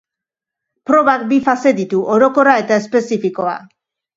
Probak bi fase ditu, orokorra eta espezifikoa.